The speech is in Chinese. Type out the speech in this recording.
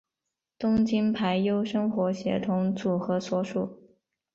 东京俳优生活协同组合所属。